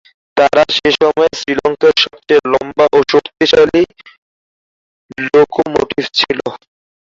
তারা সে সময়ে শ্রীলঙ্কার সবচেয়ে লম্বা ও শক্তিশালী লোকোমোটিভ ছিল।